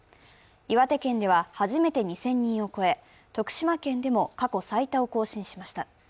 岩手県では初めて２０００人を超え、徳島県でも過去最多を更新しました。